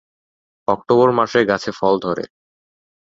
October মাসে গাছে ফল ধরে।